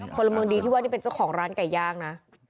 พลเมืองดีที่ว่านี่เป็นเจ้าของร้านไก่ย่างนะ